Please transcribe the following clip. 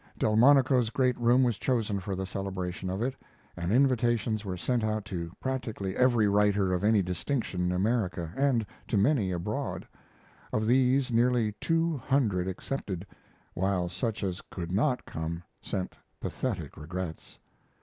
Delmonico's great room was chosen for the celebration of it, and invitations were sent out to practically every writer of any distinction in America, and to many abroad. Of these nearly two hundred accepted, while such as could not come sent pathetic regrets.